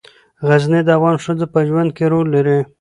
غزني د افغان ښځو په ژوند کې رول لري.